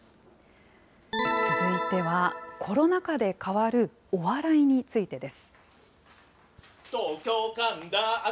続いては、コロナ禍で変わるお笑いについてです。